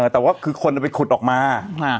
แต่ว่าคือคนไปขุดออกมา